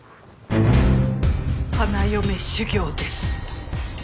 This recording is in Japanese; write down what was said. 花嫁修業です。